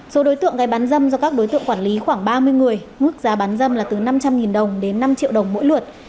số đối tượng gây bán dâm do các đối tượng quản lý khoảng ba mươi người mức giá bán dâm là từ năm trăm linh đồng đến năm triệu đồng mỗi lượt